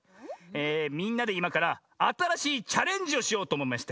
みんなでいまからあたらしいチャレンジをしようとおもいまして。